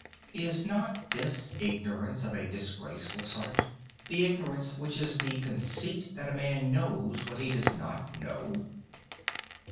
Is not this ignorance of a disgraceful sort, the ignorance which is the conceit that a man knows what he does not know?